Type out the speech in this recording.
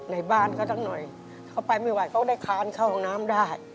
ในบ้านเขาสักหน่อยเขาไปไม่ไหวเขาได้คานเข้าห้องน้ำได้